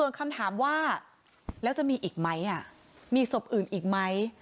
ส่วนคำถามว่าแล้วจะมีอีกไหมมีศพอื่นอีกไหม